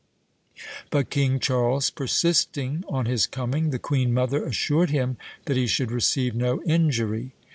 But King Charles persisting on his coming, the queen mother assured him that he should receive no injury.